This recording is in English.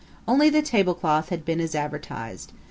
Only the tablecloth had been as advertised.